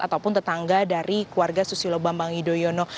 ataupun tetangga dari keluarga susilo bambang yudhoyono